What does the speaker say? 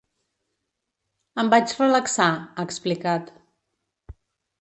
Em vaig relaxar, ha explicat.